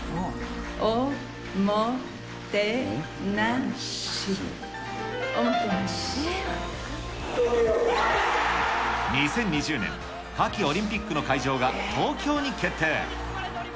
オ・モ・テ・ナ・シ、おもて２０２０年、夏季オリンピックの会場が東京に決定。